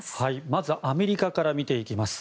まずアメリカから見ていきます。